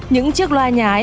những chiếc loa nhãn